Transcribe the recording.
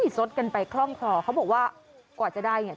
สดกันไปคล่องคลอเขาบอกว่ากว่าจะได้เนี่ย